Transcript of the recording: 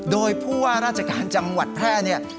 โดยผู้ว่าราชการจังหวัดแพร่เนี่ย